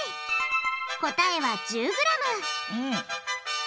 答えは１０ｇ